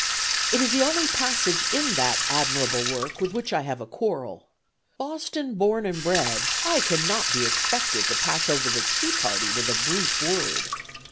It is the only passage in that admirable work with which I have a quarrel. Boston born and bred, I cannot be expected to pass over the Tea Party with a brief word.